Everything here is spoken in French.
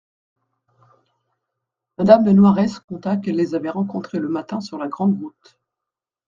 Madame de Noares conta qu'elle les avait rencontrés le matin sur la grande route.